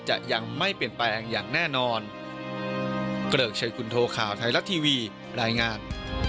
จะยังไม่เปลี่ยนแปลงอย่างแน่นอน